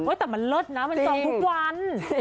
แต่มันเลิศนะมันจองทุกวัน